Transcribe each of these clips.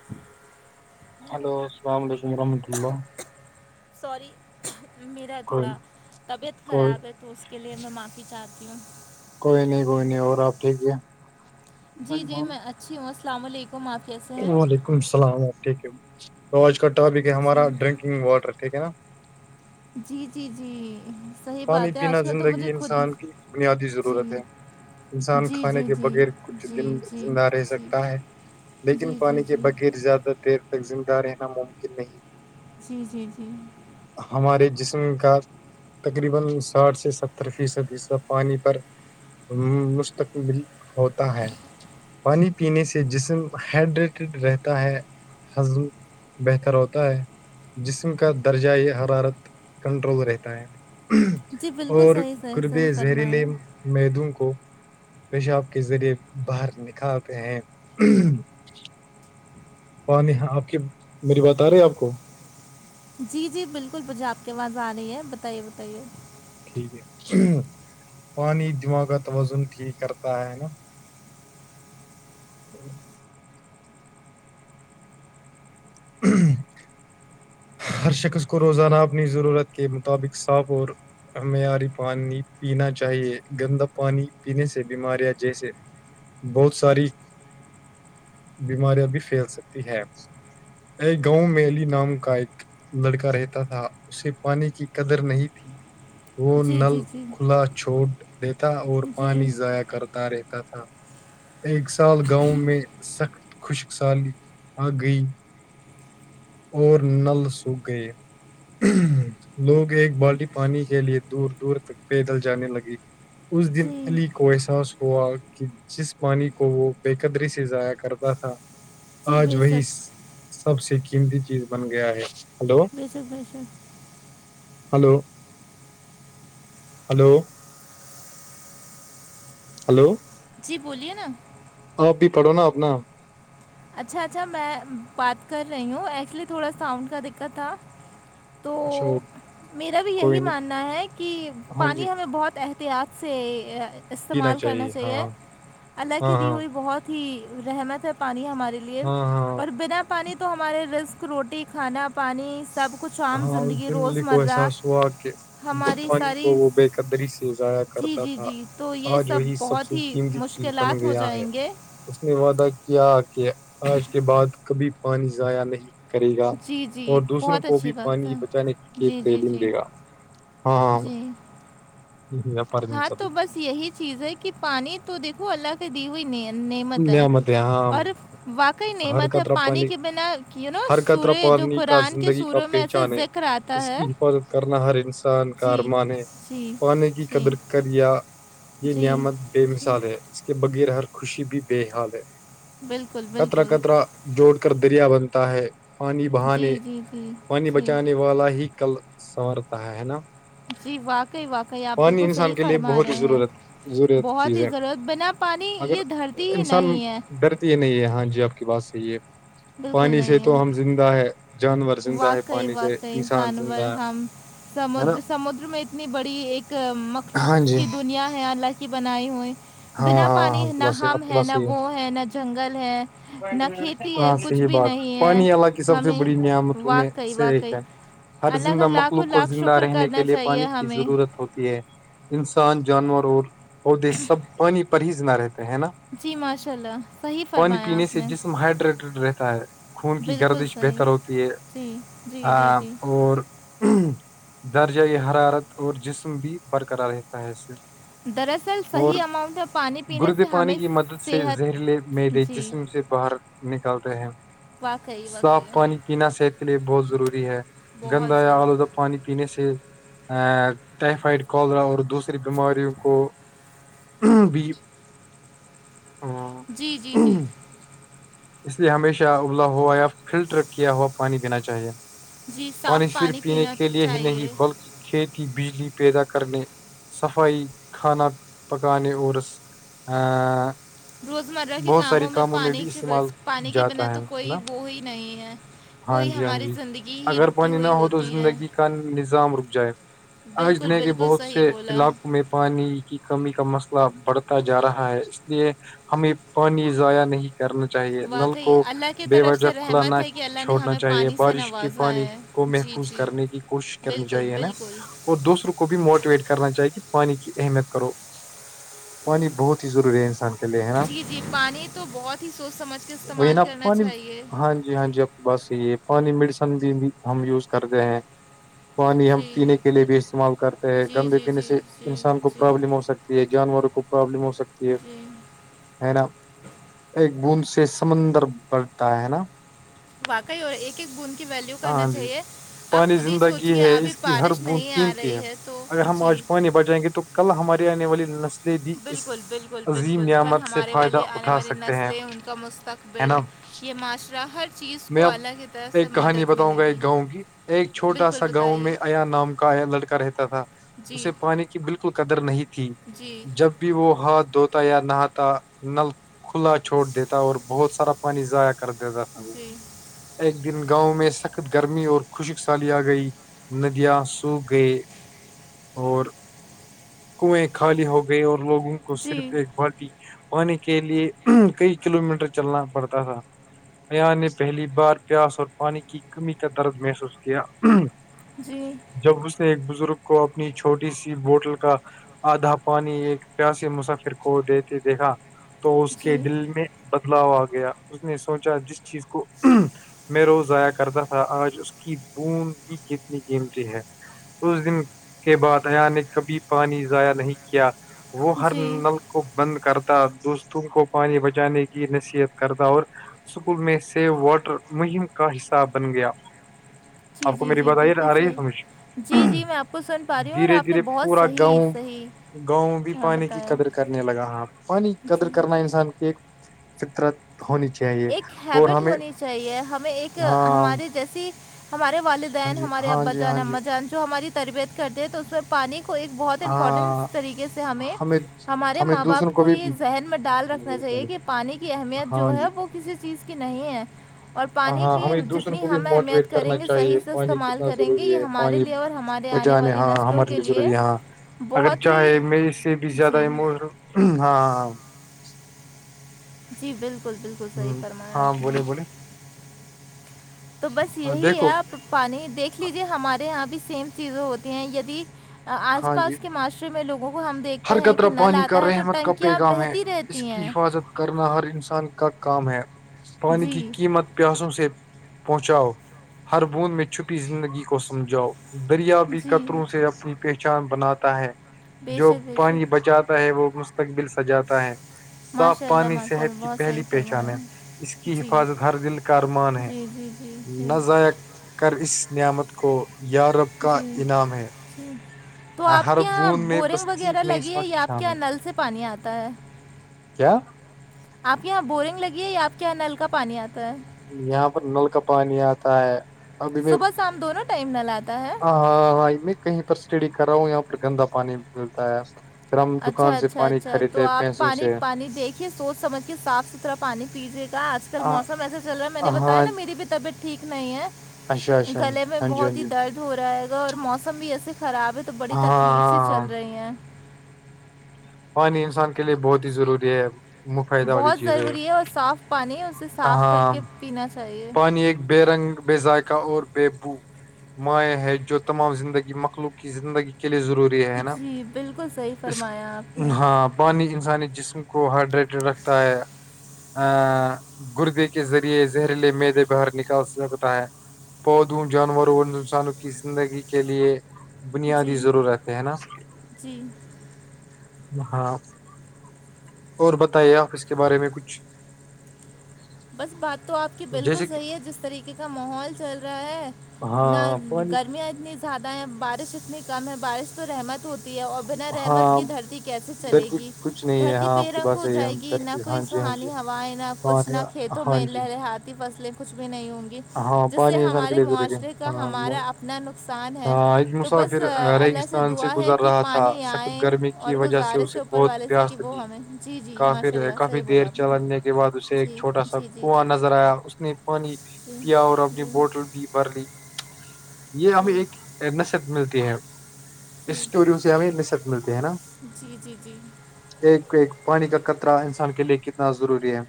[inaudible] hello hello السلام علیکم ورحمۃہ اللہ سوری میرا کوئی تھوڑا طبیعت کوئی خراب ہے تو اس کے لیے میں معافی چاہتی ہوں کوئی نہیں کوئی نہیں اور آپ ٹھیک ہے جی جی میں اچھی ہوں السلام علیکم معافیہ سے وعلیکم السلام آ ٹھیک تو آج کا ٹاپک ہے ہمارا ڈرنکنگ واٹر ٹھیک ہے نا جی جی جی صحیح پانی بات ہے پینا آج کل تو زندگی مجھے خود انسان کی بنیادی جی ضرورت ہے انسان جی کھانے جی کے جی بغیر کچھ جی دن جی زندہ رہ جی سکتا ہے لیکن جی جی پانی جی کے بغیر زیادہ دیر تک زندہ رہنا ممکن نہیں جی جی جی ہمارے جسم کا تقریبا ساٹھ سے ستر فیصد حصہ پانی پر مستقبل ہوتا ہے پانی پینے سے جسم ہائڈریٹڈ رہتا ہے ہضم بہتر ہوتا ہے جسم کا درجۂ حرارت کنٹرول رہتا ہے جی بالکل اور صحیح صحیح قرب صحیح فرمایا زہریلیلم میدوں کو پیشاب کے ذریعے باہر نکالتے ہیں پانی آپ کی میری بات آ رہی ہے آپ کو جی جی بالکل پجھے آپ کے آاز آ رہی ہے بتائیے بتائیے ٹھیک ہے پانی دماغ کا تو وزن ٹھیک کرتا ہے نا ہ ہ ہر شخص کو روزانہ اپنی ضرورت کے مطابق صاف اور ہمیںیاری پانی پینا چاہیے گندا پانی پینے سے بیماریاں جیسے بہت ساری بیماریاں بھی پھیل سکتی ہے یہ گاؤں میلی نام کا ایک لڑکا رہتا تھا اسے پانی کی قدر نہیں تھی وہ جی نل جی جی کھلا چھوڑ دیتا اور جی پانی ضائع کرتا رہتا تھا ایک سال گاؤں میں سخت خشک سالی آ گئی اور نل سوکھ گئے لوگ ایک بالٹی پانی کے لیے دور دور تک پیدل جانے لگے اس دن جی علی کو احساس ہوا کہ جس پانی کو وہ بے قدری سے ضائع کرتا تھا جی آج بے وہی شک سب سے قیمتی چیز بن گیا ہے ہلو بشک بشک ہلو ہلو ہلو جی بولیے نا آپ بھی پڑھو نا اپنا اچھا اچھا میں بات کر رہی ہوں ایکچولی تھوڑا ساؤنڈ کا دقت تھا تو اچھا وہ میرا بھی کوئی یہی نہیں ماننا ہے کہ ہاں جی پانی ہمیں بہت احتیاط سے پینا استعمال کرنا ہاں چاہیے اللہ کی ہاں دی ہاں ہوئی بہت ہی رحمت ہے پانی ہمارے لیے ہاں اور ہاں بنا پانی تو ہمارے رسک روٹی کھانا پانی سب کچھ عام ہاں اس زندگی دنلی کو روزمرہ احساس ہوا کہ ج ہماری پانی کو ساری وہ بے قدری سے ضائع جی کرتا جی تھا جی تو یہ آج وہی سب بہت سے ہی قیمتی چیز بن مشکلات ہو گیا ہے جائیں گے اس نے وعدہ کیا کہ آج کے بعد کبھی پانی ضائع نہیں کرے گا جی جی اور دوسروں بہت کو اچھی بھی بات ہے پانی بچانے کی جی جی تعلیم جی دے گا ہاں جی ہاں سبھی تو بس یہی چیز ہے کہ پانی تو دیکھو اللہ کی دی ہوئی نید نعمت ہے اور واقعی ہر نعمت ہے قطرہ پانی کے بنا کیا ہر قطرہ پالانی کا زندگی کا میں ایسے پہچان ہے ذکر آتا اس ہے کی حفاظت کرنا ہر انسان ان جی کارمانے جی پانی کی جی قدر کر یا یہ جی نعمت بے جی مثال ہے اس کے بغیر ہر خوشی بھی بے حال ہے بالکل کطرا بالکل کطرا جوڑ کر دریا بنتا ہے پانی جی بہانے جی جی پانی جی بچانے والا ہی کل سوارتا ہے نا جی واقعی واقعی آپ پانی بالکل انسان صحیح کے لیے فرما بہت ہی رہے ہیں ضرورت ضرورت بہت چیز ہی ہے ضرورت بنا پانی اگر یہ دھرتی ہی انسان نہیں ہے ڈرتی ہی نہیں ہے ہاں جی آپ کی بات صحیح ہے بالکل پانی سے نہیں تو ہم ہے زندہ ہے جانور زندہ ہے واقعی پانی سے واقعی انسان زندہ جانور ہے ہم ہے نا سمندر سمندر میں اتنی بڑی ایک ہاں مخلوق جی کی دنیا ہے اللہ کی بنائی ہوئی ہاں بنا ہاں پانی ہاں نہ بس آپ ہم کی ہے بات نہ صحیح وہ ہے نہ جنگل ہے نہ ہے کھیت ہاں صحیح بات پانی علا کی سب سے ہمیں بڑی نعمت واقعی سے ایک واقعی ہے ہر اللہ کا زندہ لاکھوں مخلوق کو لاکھ زندہ شکر رہنے کے کرنا لیئے چاہیے پانی کی ہمیں ضرورت ہوتی ہے انسان جانور اور پودے سب پانی پر ہی ج نہ رہتے ہیں ہے نا جی ماشاء اللہ صحیح پانی فرمایا پینے آپ سے نے جسم ہائڈریٹڈ رہتا ہے خون کی بالکل گردش صحیح بہتر ہوتی ہے جی جی جی ہ جی اور درجۂ یہ حرارت اور جسم بھی برقرار رہتا ہے اس سے دراصل اور صح اماؤنٹ میں پانی پینے گردے سے پانی ہمیں کی مدد سے صحت زہریلے میدے جی جسم سے باہر نکالتے ہیں واقعی صاف واقعی پانی پینا صحت کے لیے بہت ضروری ہے گندا بہت یا ضرور آلودف پانی پینے سے ا ٹائفائڈ کالرا اور دوسری بیماریوں کو [inaudible] بی جی جی جی اس لیے ہمیشہ ابلا ہوا یا فلٹر کیا ہوا پانی پینا چاہیے جی پانی صاف صرف پینے پینا کے لیئے ہی نہیں چاہیے بلکہ کھیتی بجلی پیدا کرنے صفائی کھانا پکانے اور ہ روزمرہ کے کاموں میں پانی کے استعمال پانی کے بنا جاتا ہے تو کوئی نا وہ ہی نہیں ہے ہاں کوئی جی ہاں ہماری جی زندگی ہی اگر رکی پانی نہ ہوئی ہو تو ہوتی ہے زندگی کا نظام رک جائے آج بالکل نے کے بالکل بہت صحیح سے بولا علاقوں میں پانی کی کمی کا مسئلہ بڑھتا جا رہا ہے اس لیے ہمیں پانی ضائع نہیں کرنا چاہیے نل واقعی کو اللہ کی بے طرف وجہ سے کھلا رحمت نہ ہے کہ اللہ نے چھوڑنا ہمیں چاہیے پانی سے بارش کی نوازا پانی ہے کو جی محفوظ جی کرنے کی کوشش کرنی بالکل چاہیے نا بالکل اور دوسروں کو بھی موٹیویٹ کرنا چاہیے کہ پانی کی اہمیت کرو [unintelligible] پانی بہت ہی ضروری ہے انسان کے لیے ہے نا [unintelligible] ج جی پانی تو بہت ہی سوچ سمجھ کے ا استعمال اپا کرنا نہیں چاہیے ہاں جی ہاں جی بس یہ پانی میڈیسن بھی بھی ہم یوز کر رہے ہیں پانی ہم جی پینے کے لیے بھی استعمال کرتے ہیں جی گندے جی پینے جی سے جی انسان کو جی پرابلم ہو سکتی یہ جانوروں کو پرابلم ہو سکتی ہے جی ہے نا ایک بند سے سمندر بڑھتا ہے نا واقعی اور ایک ایک بن کی ویلو کرنا ہاں جی چاہیے آپ پانی خود ہی زندگی سوچیے ہے ابھی اس کی ہر بارش ب نہیں آ قیمتی رہی ہے تو اگر ہم جی آج پانی بچائیں گے تو کل ہماراری آنے والے بالکل بالکل بالکل کل سے ہمارے فائدہ والی آنے اٹھا والی سکتے ہیں نسلیں ان کا ہے نا مستقبل یہ معاشرہ ہر چیز میں کو اب اللہ کی طرف سے ایک کہانی مدد بتاؤں ملے گا گی ایک گاؤں کی ایک چھوٹا بالکل سا گاؤں میں بتائیے ایا نام کا لڑکا رہتا تھا جی اسے پانی کی بالکل قدر نہیں تھی جی جب بھی وہ ہاتھ دھوتا یا نہاتا نل کھلا چھوڑ دیتا اور بہت سارا پانی ضائع کر دیتا تھا وہ جی ایک دن گاؤں میں سخت گرمی اور خشک سالی آ گئی ندیاں سو گئے اور کنویں خالی ہو گئی اور لوگوں کو جی صرف ایک بالٹی پانی کے لیے کئی کلو میٹر چلنا پڑتا تھا نی پہلی بار پیاس اور پانی کی کمی کا درد محسوس کیا جی جب اس نے ایک بزرگ کو اپنی چھوٹی سی بوٹل کا آدھا پانی ایک پیاسی مسافر کو دیتے دیکھا تو اس کے جی دل میں بدلاؤ آ گیا اس نے سوچا جس چیز کو میں روز ضائیا کرتا تھا آج اس کی بند بھی کتنی قیمتی ہے اس دن کے بعد آیا نے کبھی پانی ضائع نہیں کیا وہ ہر جی نلک کو بند کرتا دوستوں کو پانی بچانے کی نصیحت کرتا اور سکول میں واٹر مہم کا حصہ بن گیا جی آپ کو جی میری جی بات آئی بالکل آ رہی ہے سمجھ صحیح جی جی میں آپ کو سن پا رہی ہوں اور دھیرے آپ نے دھیرے بہت پورا صحیح گاؤں صحیح گاؤں میں بھی ہاں پانی کی بتایا قدر کرنے لگا ہ پانی کی قدر جی کرنا انسان کی ایک فطرت ہونی چاہیے ایک ہیبٹ ہمیں ہونی چاہیے ہمیں ایک ہاں ہمارے جیسی ہمارے والد ہاں دین جی ہمارے ہاں ابا جی جان ہاں جی اما جان جو ہماری تربیت کرتے ہیں تو اس پانی کو ایک بہت ہاں امپورٹنٹ طریقے سے ہمیں ہمارے ہمیں ماں باپ دوسروں کو بھی ہی ذہن میں ڈال رکھ رنا چاہیے کہ پانی کی اہمیت ہاں جو ہے وہ کسی چیز کی نہیں ہے اور ہاں پانی ہاں کی ہمیں دوسروں جتنی کو بھی ہم موٹیویٹ اہمیت کرنا کریں گے چاہیے صحیح سے پانی استعمال کتنا کریں گے ضروری یہ ہے ہمارے پانی لیے اور ہمارے وہ آنے جانے والی ہاں نسلوں ہمارے کے لیے ضروری یہاں اگر بہت چاہے ہی میں اس سے بھی زیادہ جی ہاں ہاں جی بالکل بکل بالکل صحیح ہ فرمایا ہاں آپ نے بولے بولے تو بس ہاں یہی ہے دیکھو آپ پانی دیکھ لیجے ہمارے یہاں بھی سیم چیزیں ہوتی ہیں یدی آس ہاں جی پاس کے معاشرے میں لوگوں کو ہم دیکھتے ہر ہیں کہ قطرہ نل پانی آتا کا ہے تو رحمت کا ٹنکیاں پیغام ہے بہتی رہتی اس کی ہیں حفاظت کرنا ہر انسان کا کام ہے پانی کی جی قیمت پیاسوں سے پہنچاؤ ہر بوند میں چھپی زندگی کو سمجھاؤ دریا بھی جی قطروں سے اپنی پہچان بناتا ہے بے جو شک بے پانی شک بچاتا ہے وہ مستقبل سجاتا ہے صاف ماشاء اللہ پانی ماشاء صحت اللہ کی بہت پہلی صحیح پہچان فرمایا ہے اس کی جی حفاظت ہر دل کا ارمان ہے جی جی جی جی نہ ذائق کر اس نعمت کو یارب کا جی انعام ہے جی تو آپ ہر کے یہاں بوند میں بورنگ بستی وغیرہ ایک نئی لگی سو ہے کی یا آپ کے شام یہاں ہے نل سے پانی آتا ہے کیا آپ کے یہاں بورنگ لگی ہے یا آپ کے یہاں نل کا پانی آتا ہے یہاں پر نل کا پانی آتا ہے ا ہ صبح شام دونوں ٹائم نل آتا ہے ہاں ہاں کہیں پر اسٹڑی کرا ہو یہاں پر گندا پانی ملتا ہے پھر ہم اچھا دکان سے اچھا پانی اچھا تو خریدتے آپ پیسوں پانی سے پانی دیکھ یہ سوچ سمجھ کے صاف ستھرا پانی پی رہے گا آج کل ہاں موسم ایسا چل رہا ہے میں نے بتایا نا میری بھی طبیعت ٹھیک نہیں ہے اچھا اچھا گلے میں ہاں جی ہاں بہت ہی جی درد ہو رہا ہے گا اور موسم بھی ایسے خراب ہے تو بڑی ہاں تری ہاں تکلیف سےی چل ہاں رہی ہیں پانی انسان کے لیے بہت ہی ضروری ہے مفائدہ والی بہت چیز ضروری ہے اور صاف پانی ہے اسے صاف کر ہاں کے پینا چاہیے پانی ایک بے رنگ بے ذائقہ اور بے بو مائع ہے جو تمام زندگی مخلوق کی زندگی کے لیے ضروری ہے نا جی بالکل صحیح فرمایا آپ نے بانی انسانی جسم کو ہائڈریٹڈ رکھتا ہے ا گردے کے ذریعے زہریلے میدے باہر نکال سکتا ہے پودوں جانوروں انسانوں کی زندگی کے لیے بنیادی جی ضرورتیں ہے نا جی ہاں اور بتائیے آپ اس کے بارے میں کچھ بس بات تو آپ کی بالکل جیسے کہ صحیح ہے جس طریقے کا ماحول چل رہا ہے نہ ہاں پانی گرمیاں اتنی زیادہ ہیں بارش اتنی کم ہے بارش تو رحمت ہوتی ہے اور بنا رحمت ہاں یہ دھرتی کیسے ادھر چلے کی گی کچھ نہیں ہے دھرتی ہاں بے آپ کی رنگ بات ہو صحیح ہے جائے گی ادھر کی نف کوئی ہاں جی ہاں سہانی جی ہوائیں نہ کچھ نہ پانی کھیتوں ہاں میں جی لہریاتیی فصلیں کچھ بھی نہیں ہوں گی ہاں جس سے پانی انسان کے ہمارے لیے ضروری ہے معاشرے کا ہاں ہمارا اپنا نقصان ہے ہاں ایک تو بس مسافر اللہ سے سے ریگستان دعا ہے گزر کہ رہا تھا پانی سخت آئے گرمی کی اور وجہ گزارے سے اسے اوپر بہت والے سے پیاس کہ وہ لگی ہمیں جی جی کافی ماشاء اللہ کافی صحیح بولا دیر آپ چلنے کے بعد اسے نے ایک جی چھوٹا سا جی جی کنواں جی نظر آیا اس نے پانی جی پیا اور اپنی جی جی بوٹل بھی بھر لی یہ ہمیں جی ایک نصب ملتی ہے اسٹوریوں سے ہمیں نصت ملتی ہے نا جی جی جی ایک ایک پانی کا کطرہ انسان کے لیے کتنا ضروری ہے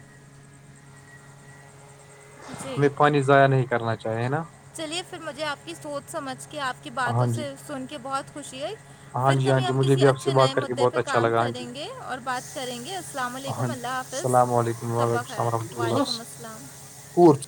[unintelligible] جی ہمیں پانی ضع نہیں کرنا چاہے نا چلیے پھر مجھے آپ کی سوچ سمجھ کے آپ کی ہاں باتوں جی سے سن کے بہت خوشی ہےئی ہاں پھر جی ہاں کبھی جی ہم مجھے کسی بھی آپ سے اچھے بات نئے کر کے مدعے بہت پہ اچھا کام لگا ہاں جی کریں گے اور بات کریں گے السلام ہاں علیکم جی اللہافظ السلام علیکم و علیکم ال وورحمۃ السلام اللہ